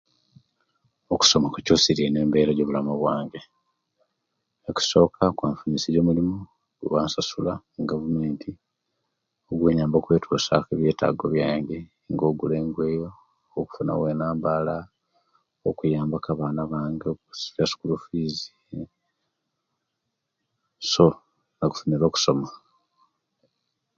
Okusoma kuchusirye ino embera eyo bulamu bwange, okusoka kwanfunisirye omulimu ogwebansasula mugavumenti, gunyamba okwetusyaku ebyetaago byange nga okugula engoye, okufuna owenambala, okuyambaku abaana bange okusasula esukulu fiizi. so nafunire okusoma.